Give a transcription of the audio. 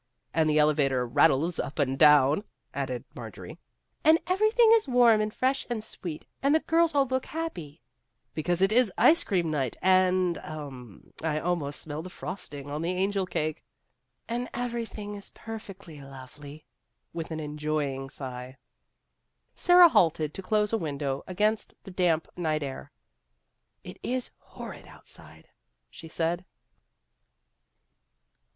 " And the elevator rattles up and down," added Marjorie. " And everything is warm and fresh and sweet, and the girls all look happy." " Because it is ice cream night, and um m m I almost smell the frosting on the angel cake." " And everything is perfectly lovely," with an enjoying sigh. One of the Girls 279 Sara had halted to close a window against the damp night air. " It is horrid outside," she said.